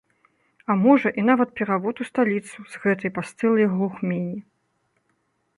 А можа і нават перавод у сталіцу з гэтай пастылай глухмені.